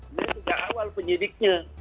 ini sudah awal penyidiknya